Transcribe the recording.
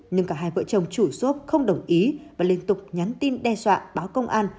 nhưng cả hai vợ chồng chủ không đồng ý và liên tục nhắn tin đe dọa báo công an